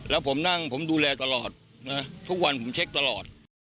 แล้วผมนั่งผมดูแลตลอดนะทุกวันผมเช็คตลอด